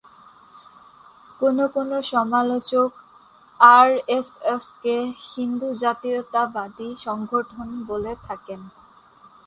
কোনো কোনো সমালোচক আরএসএস-কে হিন্দু জাতীয়তাবাদী সংগঠন বলে থাকেন।